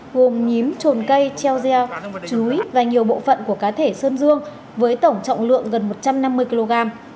gồm nhím trồn cây treo gieo chuối và nhiều bộ phận của cá thể sơn dương với tổng trọng lượng gần một trăm năm mươi kg